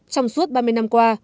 trong suốt ba mươi năm qua